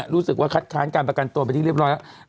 รู้สึกว่าคัดค้านการประกันตัวไปที่เรียบร้อยแล้ว